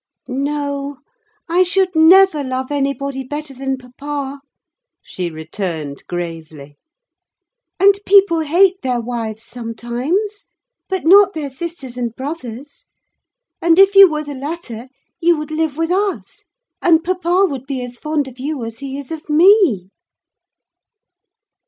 "No, I should never love anybody better than papa," she returned gravely. "And people hate their wives, sometimes; but not their sisters and brothers: and if you were the latter, you would live with us, and papa would be as fond of you as he is of me."